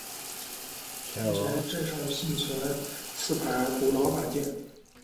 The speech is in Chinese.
目前镇上幸存四排古老板店。